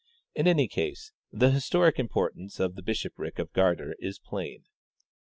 In any case, the historic importance of the bishopric of Gardar is plain.